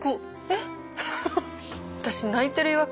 えっ。